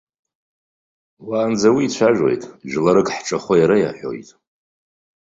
Уаанӡа уи цәажәоит, жәларак ҳҿахәы иара иаҳәоит.